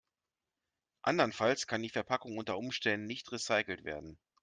Andernfalls kann die Verpackung unter Umständen nicht recycelt werden.